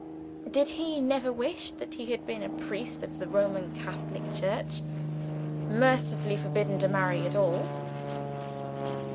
Did he never wish that he had been a priest of the Roman Catholic Church, mercifully forbidden to marry at all?